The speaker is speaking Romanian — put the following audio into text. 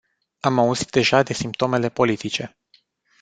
Am auzit deja de simptomele politice.